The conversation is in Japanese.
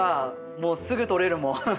もうすぐ取れるもん。